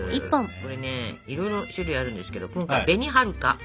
これねいろいろ種類あるんですけど今回は「紅はるか」を使います！